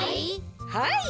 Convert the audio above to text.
はい。